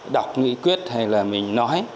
đọc nghĩ quyết hay là mình nói